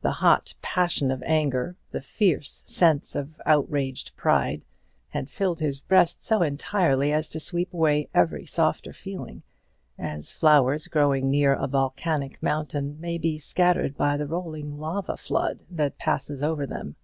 The hot passion of anger, the fierce sense of outraged pride, had filled his breast so entirely as to sweep away every softer feeling, as flowers growing near a volcanic mountain may be scattered by the rolling lava flood that passes over them.